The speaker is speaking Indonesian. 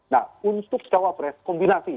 nah untuk cawapres kombinasi